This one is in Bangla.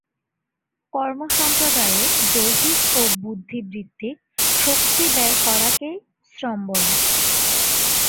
কর্ম সম্পাদনে দৈহিক ও বুদ্ধিবৃত্তিক শক্তি ব্যয় করাকেই শ্রম বলে।